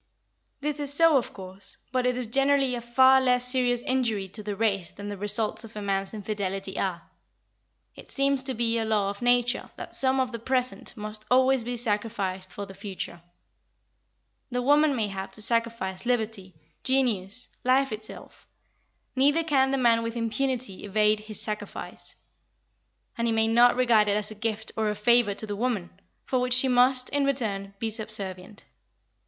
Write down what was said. This is so, of course, but it is generally a far less serious injury to the race than the results of a man's infidelity are. It seems to be a law of nature that some of the present must always be sacrificed for the future. The woman may have to sacrifice liberty, genius, life itself. Neither can the man with impunity evade his sacrifice. And he may not regard it as a gift or a favour to the woman, for which she must, in return, be subservient.